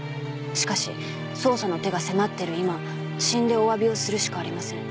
「しかし捜査の手が迫っている今死んでお詫びをするしかありません」